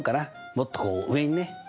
もっとこう上にね！